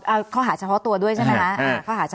อ๋ออ๋ออ่าเขาหาเฉพาะตัวด้วยใช่ไหมฮะอ่าเขาหาเฉพาะตัว